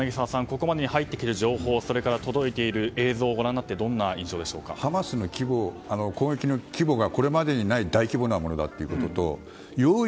ここまでに入ってきた情報それから届いている映像をご覧になってハマスの攻撃の規模がこれまでにない大規模なものだということと用意